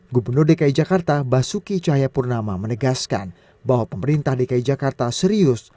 gubernur dki jakarta basuki cahayapurnama menegaskan bahwa pemerintah dki jakarta serius